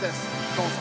どうぞ！